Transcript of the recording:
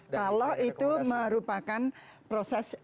kalau itu merupakan proses